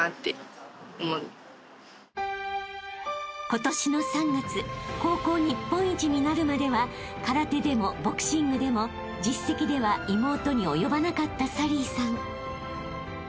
［今年の３月高校日本一になるまでは空手でもボクシングでも実績では妹に及ばなかった紗鈴依さん］